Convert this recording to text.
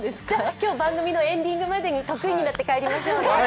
じゃ、今日、番組のエンディングまでに得意になって帰りましょうね。